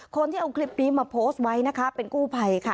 คนที่เอาคลิปนี้มาโพสต์ไว้นะคะเป็นกู้ภัยค่ะ